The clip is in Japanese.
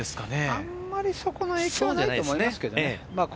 あまりその影響はないと思いますけどね。